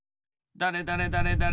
だれだれだれだれ